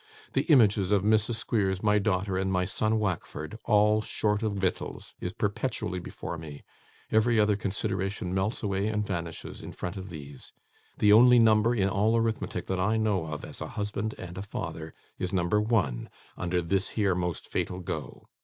The images of Mrs. Squeers, my daughter, and my son Wackford, all short of vittles, is perpetually before me; every other consideration melts away and vanishes, in front of these; the only number in all arithmetic that I know of, as a husband and a father, is number one, under this here most fatal go!